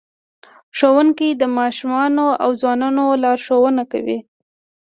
ښوونکی د ماشومانو او ځوانانو لارښوونه کوي.